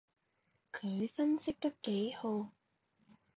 佢分析得幾號